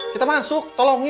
kita masuk tolongin